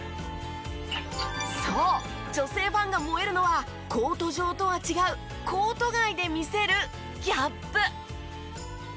そう女性ファンが萌えるのはコート上とは違うコート外で見せるギャップ。